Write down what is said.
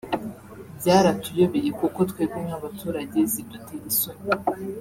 Byaratuyobeye kuko twebwe nk’abaturage zidutera isoni